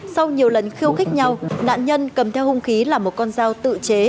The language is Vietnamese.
sau nhiều lần khiêu khích nhau nạn nhân cầm theo hung khí là một con dao tự chế